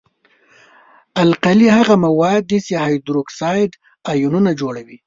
القلي هغه مواد دي چې هایدروکساید آیونونه جوړوي.